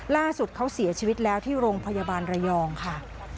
ล่าสุดเขาเสียชีวิตแล้วที่โรงพยาบาลระยองค่ะ